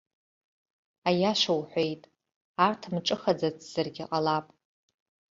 Аиаша уҳәеит, арҭ мҿыхаӡацзаргьы ҟалап.